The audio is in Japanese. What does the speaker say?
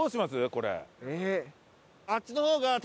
これ。